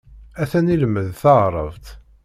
Atan ilemmed taɛrabt.